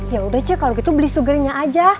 yaudah cek kalau gitu beli sugarnya aja